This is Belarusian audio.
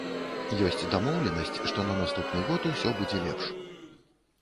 Ёсць дамоўленасць, што на наступны год усё будзе лепш.